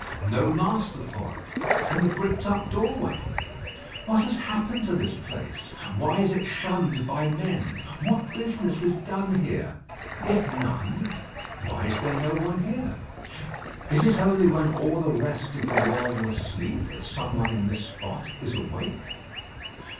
No master for it; and the bricked up doorway? What has happened to the place? Why is it shunned by men? What business is done here? If none, why is there no one here? Is it only when all the rest of the world are asleep that some one in this spot is awake?